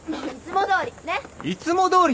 いつもどおり。